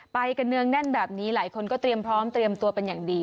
ไปกันเนืองแน่นแบบนี้หลายคนก็เตรียมพร้อมเตรียมตัวเป็นอย่างดี